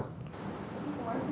từ chính hiện thân